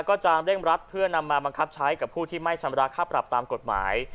ก็จะเร่งรัดเพื่อนำมาบังคับใช้กับผู้ที่ไม่ชำระค่าปรับตามกฎหมาย